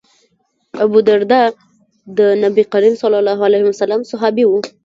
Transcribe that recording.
ابوالدرداء د نبي کریم ص صحابي و.